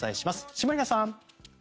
下平さん。